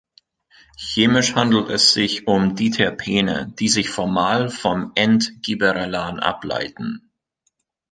Chemisch handelt es sich um Diterpene, die sich formal vom "ent"-Gibberellan ableiten.